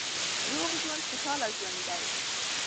روغ ژوند خوشاله ژوند دی.